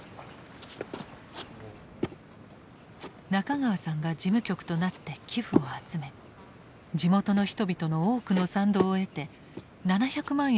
中川さんが事務局となって寄付を集め地元の人々の多くの賛同を得て７００万円を超える資金が集まった。